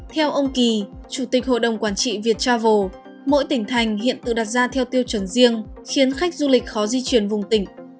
theo ông kỳ chủ tịch hội đồng quản trị viettravel mỗi tỉnh thành hiện tự đặt ra theo tiêu chuẩn riêng khiến khách du lịch khó di chuyển vùng tỉnh